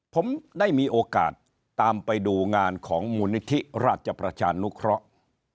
ผมได้มีโอกาสตามไปดูงานของมูลนิธิราชประชานุเคราะห์